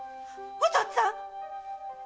お父っつぁん‼